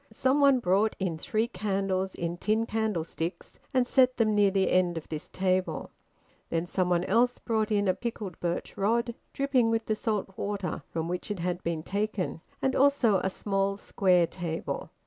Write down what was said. Some one brought in three candles in tin candlesticks and set them near the end of this table. Then somebody else brought in a pickled birch rod, dripping with the salt water from which it had been taken, and also a small square table.